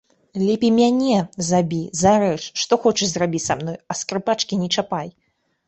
Лепей мяне забі, зарэж, што хочаш зрабі са мной, а скрыпачкі не чапай!